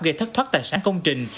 gây thất thoát tài sản công trình